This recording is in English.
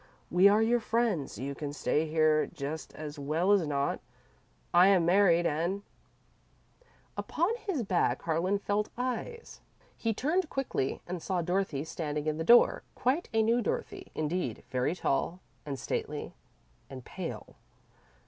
"We are your friends. You can stay here just as well as not. I am married and " Upon his back, Harlan felt eyes. He turned quickly, and saw Dorothy standing in the door quite a new Dorothy, indeed; very tall, and stately, and pale.